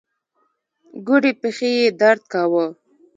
ګوډې پښې يې درد کاوه.